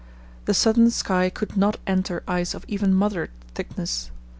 The Southern Sky could not enter ice of even moderate thickness.